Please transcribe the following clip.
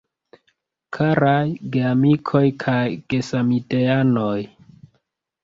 Karaj geamikoj kaj gesamideanoj.